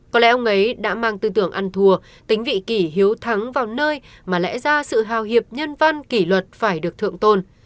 có lẽ ông ấy đã mang tư tưởng ăn thùa tính vị kỷ hiếu thắng vào nơi mà lẽ ra sự hào hiệp nhân văn kỷ luật phải được thượng tôn